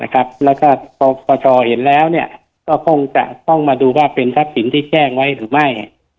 ซึ่งพอจอเห็นแล้วเนี่ยก็ต้องมาดูว่าเป็นทัพสินที่แจ้งไว้หรือไม่